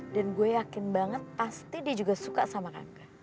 dan gue yakin banget pasti dia juga suka sama rangga